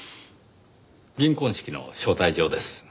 銀婚式の招待状です。